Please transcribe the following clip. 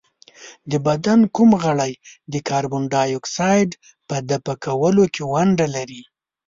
د بدن کوم غړی د کاربن ډای اکساید په دفع کولو کې ونډه لري؟